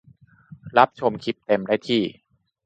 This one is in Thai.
รับชมคลิปเต็มได้ที่